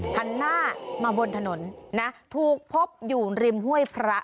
หันหน้ามาบนถนนนะถูกพบอยู่ริมห้วยพระ